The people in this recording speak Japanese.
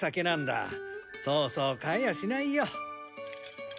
そうそう買えやしないよ。